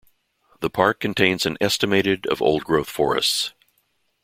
The park contains an estimated of old-growth forests.